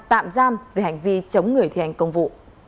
tạm giam về hành vi chống người thi hành công vụ